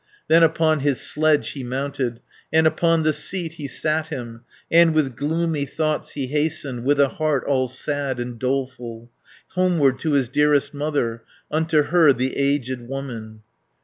Then upon his sledge he mounted, And upon the seat he sat him, And with gloomy thoughts he hastened, With a heart all sad and doleful, Homeward to his dearest mother, Unto her, the aged woman.